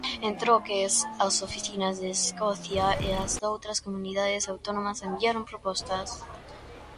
En troques, as oficinas de Escocia e as doutras comunidades autónomas enviaron propostas.